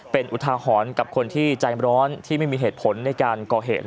เป็นอุทาหรณ์กับคนที่ใจร้อนที่ไม่มีเหตุผลในการก่อเหตุ